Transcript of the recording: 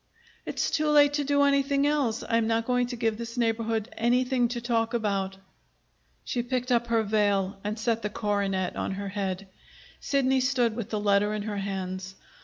"It's too late to do anything else. I am not going to give this neighborhood anything to talk about." She picked up her veil and set the coronet on her head. Sidney stood with the letter in her hands.